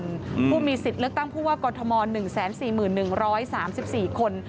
ผู้มีสิทธิ์เลือกตั้งผู้ว่ากรทม๑๔๑๓๔คน